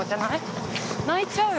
泣いちゃうよ。